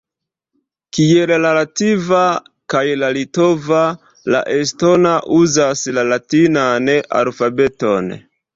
Kiel la latva kaj la litova, la estona uzas la latinan alfabeton.